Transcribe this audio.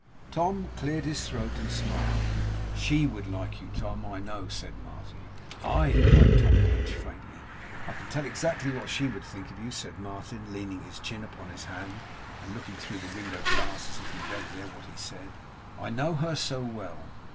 Tom cleared his throat, and smiled. 'SHE would like you, Tom, I know,' said Martin. 'Aye!' cried Tom Pinch, faintly. 'I can tell exactly what she would think of you,' said Martin leaning his chin upon his hand, and looking through the window glass as if he read there what he said; 'I know her so well.